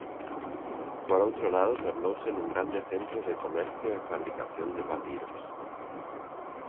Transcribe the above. Por outro lado tornouse nun grande centro de comercio e fabricación de papiros.